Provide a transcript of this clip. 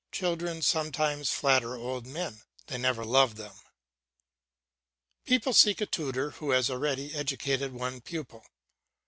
Children sometimes flatter old men; they never love them. People seek a tutor who has already educated one pupil.